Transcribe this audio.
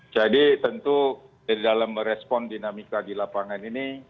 jadi tentu dari dalam respon dinamika di lapangan ini